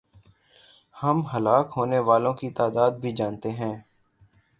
ہم ہلاک ہونے والوں کی تعداد بھی جانتے ہیں۔